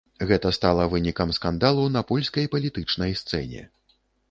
Гэта стала вынікам скандалу на польскай палітычнай сцэне.